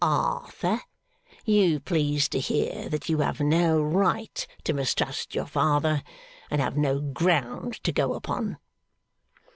Arthur, you please to hear that you have no right to mistrust your father, and have no ground to go upon.